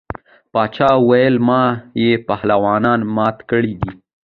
باچا ویل ما یې پهلوانان مات کړي دي.